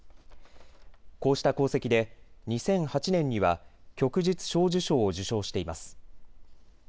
こうした功績で２００８年には旭日小綬章を受章しています。